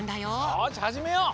よしはじめよう。